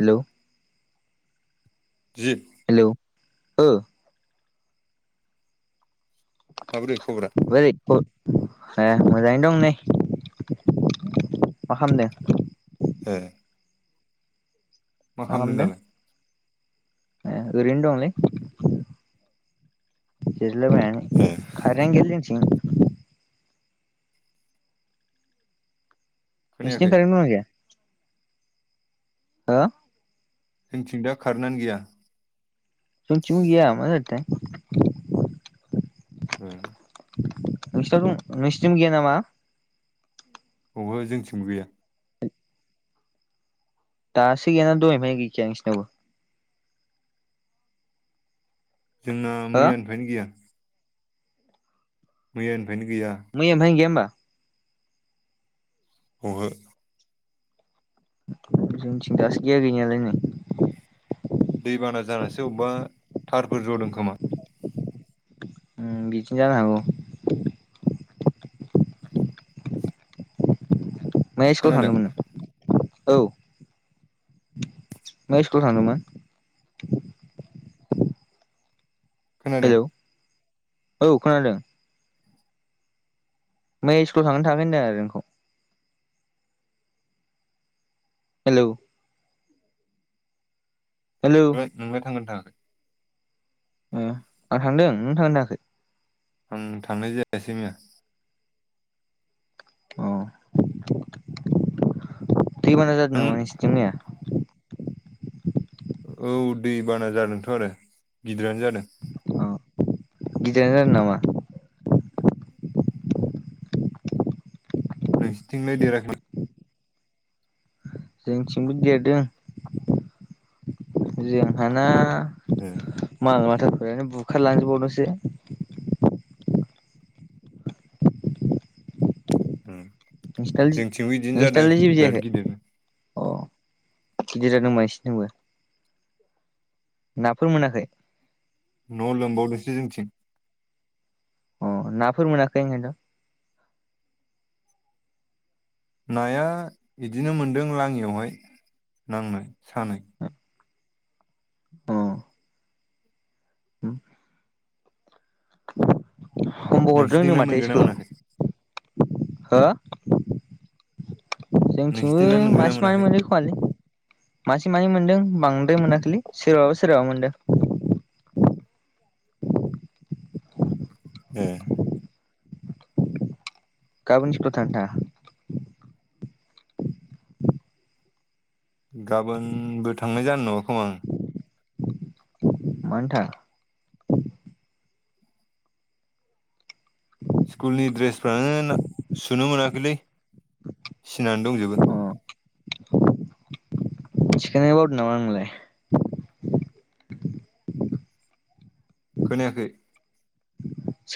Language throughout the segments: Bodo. हेल' जि हेलौ ओ माब्रै खबरा [unintelligible] [inaudible] ए मोजाङैनो दं नै मा खालामदों? ए मा खालामदों दालाय एरैनो दंलै [unintelligible] ए खारें गैयालै जोंथिं नोंसिनिथिं खोनायाखै खारें दं ना गैया? आ जोंथिंदा खारेनानो गैया। जोंथिंबो गैया मा जाखोथाइ ओ नोंसिनाव दं नोंसिनिथिंबो गैया नामा? ओहो जोंथिंबो गैया। दासो गैयाना दहायनिफ्राय गैखाया नोंसिनियावबो जोंना हो मैयानिफ्रायनो गैया। मैया मैयानिफ्रायनो गैया होमबा अहो जोंथिं दासो गैया गैनायालाइ नै दैबाना जानासो अबेबा थारफोर जदों खोमा ओं बिदिनो जानो हागौ मैया स्कुल खोनादों थांदोंमोन नों औ मैया इकुल थांदोंमोन। खोनादों हेलौ औ खोनादों मैया स्कुलाव थांदोंना थाङाखै होनदों आरो नोंखौ हेलौ हेलौ नोंलाय थांगोन थाङा आं थांदों नों थांदोंना थाङाखै आं थांनाय जायासै मैया अ दैबाना जादों नों नामा नोंसिनिथिं मैया? औ दै बाना जादोंथ' आरो गिदिरानो जादों। अ गिदिरानो जादों नामा? नोंसिनिथिं लाय देराखै जोंथिंबो देरदों जोंहाना ए माल माथाफोरानो बुखारलांजोब बावदोंसो। नोंसिनालाय जोंथिंबो इदिनो जादों बिराद गिदिरनो। अह, गिदिर जादों होमबा नोंसिनिथिंबो। नाफोर मोनाखै? न' लोमबादोंसो जोंथिं। अह, नाफोर मोनाखै ओंखायनोथ'? नाया इदिनो मोनदों लाङियावहाय नांनाय, सानाय। अह। [inaudible] हमवक हरदों होनदों नोंसिनिथिंलाय माथो मोनगोना इस्कलाव मोनाखै हो? जोंथिंबो नोंसिनिथिंलाय मोनगोना मासे मानै मोनाखै मोनदों खोमालै। मासे मानै मोनदों बां मोनाखै सोरहाबा सोरहाबा मोनदों। एह। गाबोन स्कलाव थांगोन थाङा? गाबोनबो थांनाय जानाय नङा खोमा आं। मानो थाङा? स्कुलनि ड्रेसफ्रानो सुनो मोनाखैलै। सिनानै दंजोबो। अ थिखोनो बावदों नामा नोंलाय? खोनायाखै?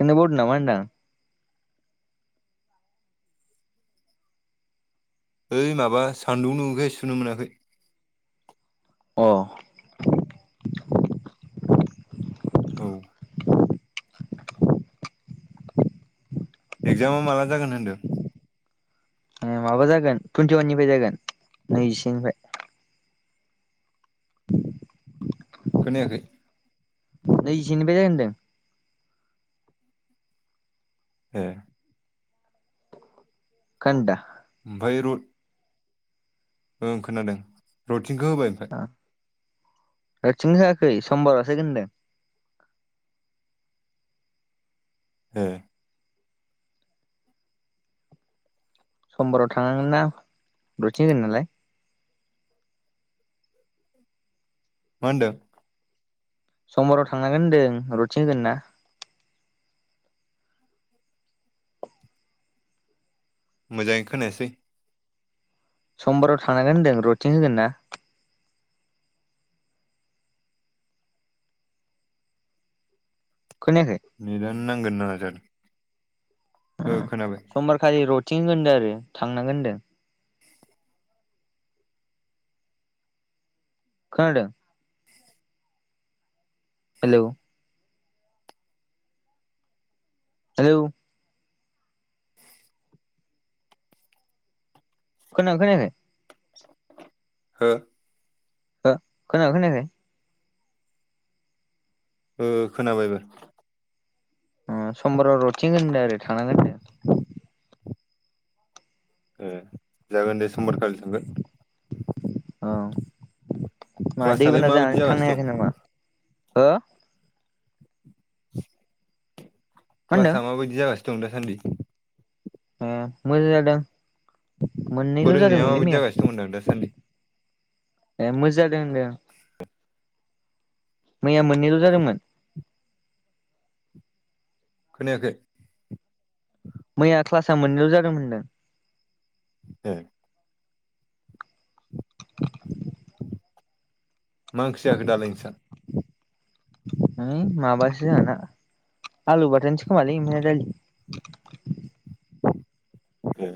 थिखोनो बावदों नामा होनदां। ओइ माबा सान्दुं दुङैखाय सुनो मोनाखै। अह। औ। एगजामा माला जागोन होनदों? ए माबा जागोन टुइन्टिवाननिफाय जागोन, नैजिसेनिफाय। [inaudible] खोनायाखै? नैजिसेनिफाय जागोन होनदों। एह। खानदा। बै रुद ओं खोनादों। रुटिनखो होबाय ओमफ्राय? रुटिं होायाखै समबारावसो होगोन होनदों। एह। समबाराव थांनांगोनना रुथिन होगोन नालाय। मा होनदों? समबाराव थांनांगोन होनदों रुथिं होगोनना। मोजाङै खोनायासै? समबाराव थानांगोन होनदों रटिन होगोन ना। खोनायाखै नेेदानो नांगोन नाङा जादों। ओ खोनाबाय। थिंगोनदों आरो थांनांगोन होनदों। खोनादों? हेलौ? हेलौ? खोना खोनायाखै? हो? हो खोना खोनायाखै? ओ खोनाबाय एबार। ओ समबाराव रथिंहोगोननो आरो थांनांगोन ए जागोन दे समबार खालि थांगोन। औ मा क्लासआलाय दैबाना माबायदि जानानै थांनो जागासिनो हायाखै दं नामा हो मा होनदों क्लासा माबायदि जागासिनो दं दासान्दि? ओ मोजां जादों मोननैल' फोरोंनाया जादोंमोनलै माबायदि मैया जागासिनो दं होनदां दासान्दि ए मोजां जादों होनदों मैया मोननैल' जादोंमोन? खोनायाखै मैया क्लासा मोननैल' जादोंमोन होनदों ए [inaudible] मा ओंख्रि जाखो दालाय नोंसा? नै माबासो जाहाना आलु बाथोनसो खोमालै ओमफ्राय आरो दालि ए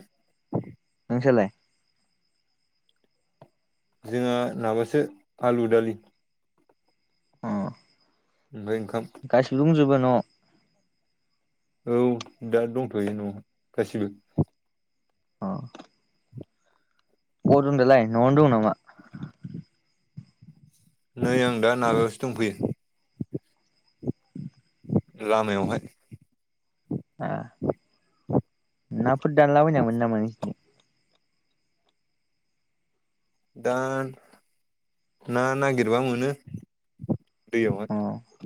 नोंसालाय? जोंहा माबासो आलु दालि अ ओमफ्राय ओंखाम गासैबो दंजोबो न'आव? औ दा दंथ'यो न'आव गासिबो अ अबाव दं दालाय न'आवनो दं नामा? नै आं दा माबायावसो दंफैयो लामायावहाय आ नाफोर दानलाबायना मोनो नामा नोंसिनिथिं? दा ना नागिरबा मोनो अ दैैयावहाय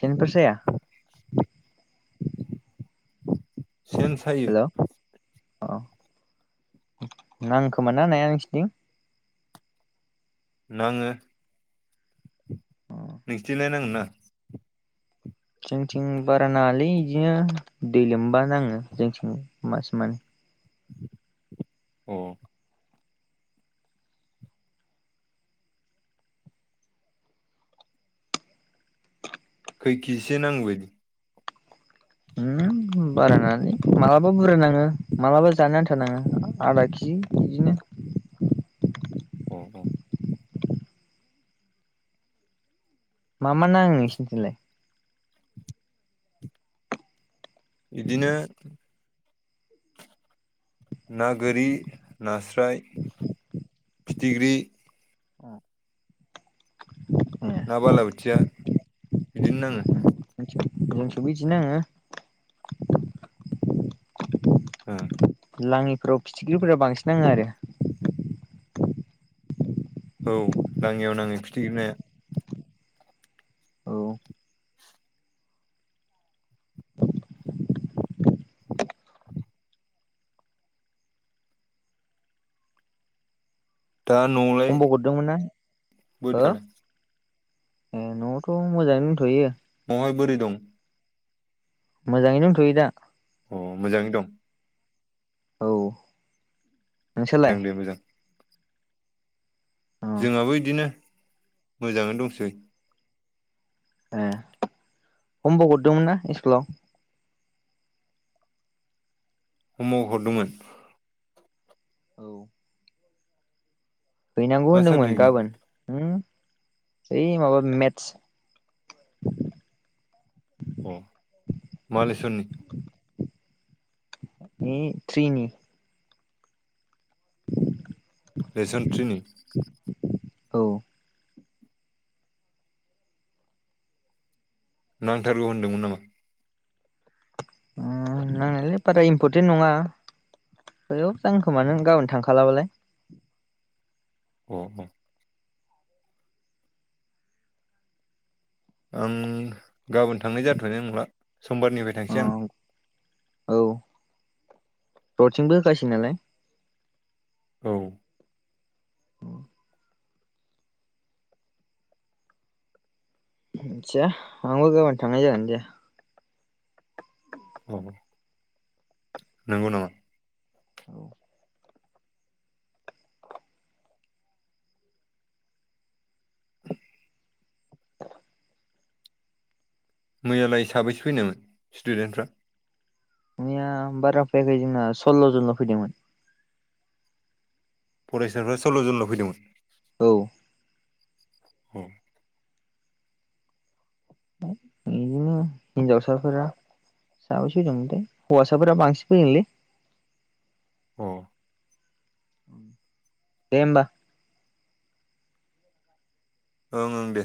सेनफोर साया? सेन सायो हेल' अ नांङोखोमा ना नाया नोंसिनिथिं? नांङो अ नोंसिनिथिंलाय नांङोना नांङा? जोंनिथिं बारा नांङालै इदिनो दै लोमबा नांङो जोंथिं मासमोन अ खैखिजिसो नांङोबायदि? [inaudible] बारानांङालै मालाबा बुरजा नांङो मालाबा जानो आन्थानांङो आदा किजि बिदिनो [inaudible] औ औ मा मा नांङो नोंसिनिथिंलाय? इदिनो ना गोरि नास्राय फिथिग्रि [inaudible] ना बालाबोथिया बिदिनो नांङो। जोंनिथिंबो इदि नांङो ओ लांङिफोराव फिथिख्रिफोराव बांसिन नांङो आरो। औ लाङियाव नाङो फिथिख्रि नाया औ दा न'आवलाय खम्ब' हरदोंमोन ना हो बोरैथालाय ए न'आवथ' मोजांङैनो दंथ'यो। बाय बोरै दं? मोजांङै दंथ'यो दा। अ मोजांङै दं। औ नोंसोरलाय? मोजां दे मोजां। अ जोंहाबो बिदिनो मोजांङै दंसै। ए हमवाक हरदोंमोन ना सस्कुलाव? हमवाक हरदोंमोन औ हैनांगौ मा होनदोंमोन साबजेक्टनि गाबोन होम? यै माबा मेथस अ मालेसरनि ओम थ्रिनि [inaudible] लेसन ट्रिनि औ नांथारगौ होनदोंमोन नामा? ओ नांनायलाय बारा इमपरटेन्ट नंङा। हेलौ जागोन खोमाने नों गाबोन थांखालाबालाय। अ ह आं गाबोन थांनाय जाथ'नाय नंला। समबारनिफ्राय अ थांसै आं रथिंबो होगासिनो नालाय औ आहनसा आंबो गाबोन थांनाय जागोन ना जाया अ ह नोंगौ नामा? औ [inaudible] मैयालाय साबैसे फैनायमोन स्टुदेन्टफ्रा? मैया बारा फैयाखै जोंना सल्ल' जनल' फैदोंमोन। फरायसाफ्रा सल्ल' जनल' फैदोंमोन। औ ह इदिनो हिनजाव साफोरा साबैसे फैदोंमोनथाय दे हौवासाफोरा बांसिन फैदोंलै। अह दे होमबा। ओं ओं दे।